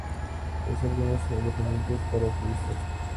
Posee algunos alojamientos para turistas.